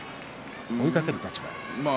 追いかける立場？